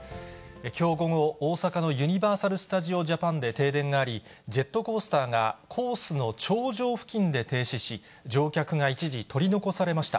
きょう午後、大阪のユニバーサル・スタジオ・ジャパンで停電があり、ジェットコースターがコースの頂上付近で停止し、乗客が一時取り残されました。